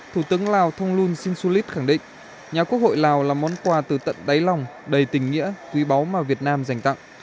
thủ tướng thông luân si su lít khẳng định nhà quốc hội lào là món quà từ tận đáy lòng đầy tình nghĩa quý báu mà việt nam dành tặng